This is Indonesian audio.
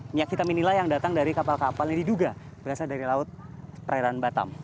minyak hitam inilah yang datang dari kapal kapal yang diduga berasal dari laut perairan batam